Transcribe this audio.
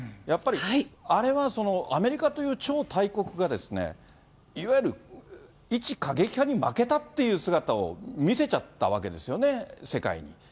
やっぱり、あれはアメリカという超大国が、いわゆる一過激派に負けたっていう姿を見せちゃったわけですよね、世界に。